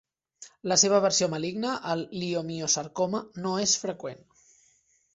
La seva versió maligne, el liomiosarcoma, no és freqüent.